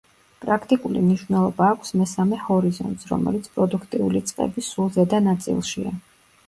პრაქტიკული მნიშვნელობა აქვს მესამე ჰორიზონტს, რომელიც პროდუქტიული წყების სულ ზედა ნაწილშია.